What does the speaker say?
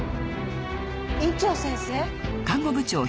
院長先生。